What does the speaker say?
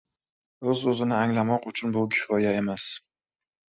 O’z-o‘zini anglamoq uchun bu kifoya emas.